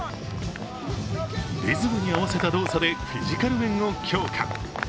リズムに合わせた動作でフィジカル面を強化。